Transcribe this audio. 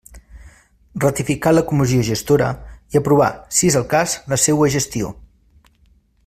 Ratificar la Comissió Gestora i aprovar, si és el cas, la seua gestió.